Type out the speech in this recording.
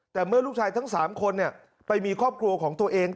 แต่เมื่อลูกชายทั้ง๓คนไปมีครอบครัวของตัวเอง